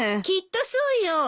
きっとそうよ！